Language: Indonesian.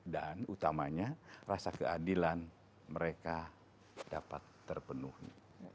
dan utamanya rasa keadilan mereka dapat terpenuhi